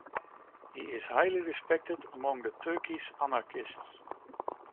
He is highly respected among the Turkish anarchists.